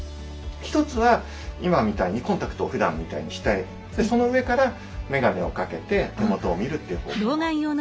一つは今みたいにコンタクトをふだんみたいにしてその上からメガネを掛けて手元を見るっていう方法もあります。